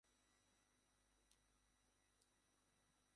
Angle তার জীবনী বই তার পিতাকে উৎসর্গ করেছেন।